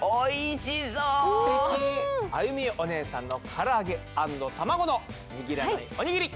あゆみおねえさんのからあげ＆卵のにぎらないおにぎり！